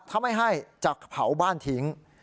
ถ้าไม่ให้จะเผาบ้านทิ้ง